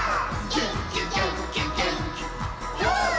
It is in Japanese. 「げんきげんきげんきほー！」